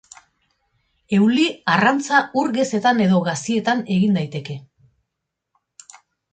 Euli-arrantza ur gezetan edo gazietan egin daiteke.